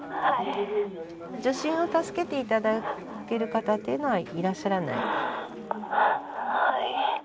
受診を助けて頂ける方っていうのはいらっしゃらない？